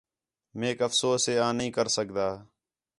میک افسوس ہے آں نھیں کر سڳدا